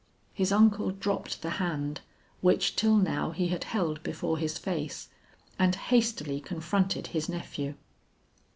His uncle dropped the hand which till now he had held before his face, and hastily confronted his nephew.